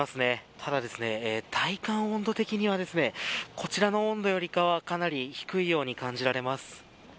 ただ、体感は温度的にはこちらの温度よりかはかなり低いように感じられます。